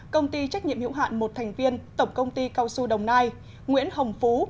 công ty trách nhiệm hữu hạn một thành viên tổng công ty cao su đồng nai nguyễn hồng phú